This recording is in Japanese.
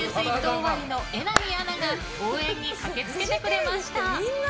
終わりの榎並アナが応援に駆け付けてくれました。